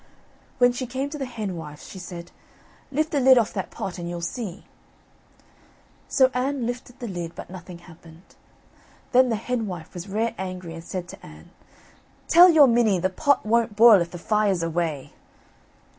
When she came to the henwife's, she said, "Lift the lid off the pot and you'll see." So Anne lifted the lid but nothing happened. Then the henwife was rare angry and said to Anne, "Tell your minnie the pot won't boil if the fire's away."